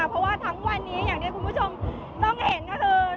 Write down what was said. เพราะว่าทั้งวันนี้อย่างที่คุณผู้ชมต้องเห็นก็คือ